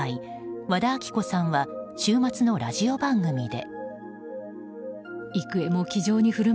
和田アキ子さんは週末のラジオ番組で。